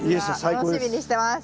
楽しみにしてます。